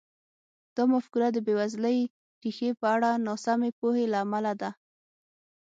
دا مفکوره د بېوزلۍ ریښې په اړه ناسمې پوهې له امله ده.